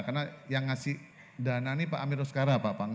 karena yang ngasih dana ini pak amir raskara pak pangdam